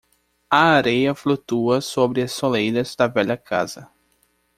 A areia flutua sobre as soleiras da velha casa.